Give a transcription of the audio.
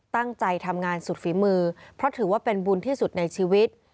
ตั้งใจทำงานสุดฝีมือเพราะถือว่าเป็นบุญที่สุดในชีวิต